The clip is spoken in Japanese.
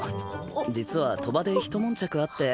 実は賭場でひと悶着あって。